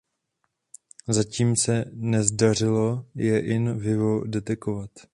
Zatím se nezdařilo je "in vivo" detekovat.